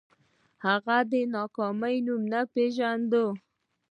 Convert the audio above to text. هغې د ناکامۍ نوم نه پېژانده